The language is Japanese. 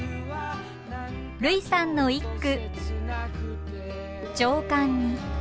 類さんの一句。